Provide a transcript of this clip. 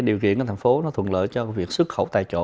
điều kiện của thành phố nó thuận lợi cho việc xuất khẩu tại chỗ